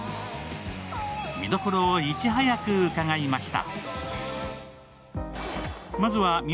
見どころをいち早く伺いました。